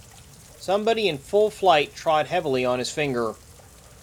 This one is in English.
Somebody in full flight trod heavily on his finger.